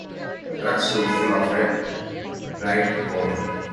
The trucks stood full of wet, bright coal.